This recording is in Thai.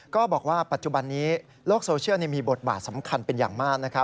ก็บอกว่าปัจจุบันนี้โลกโซเชียลมีบทบาทสำคัญเป็นอย่างมาก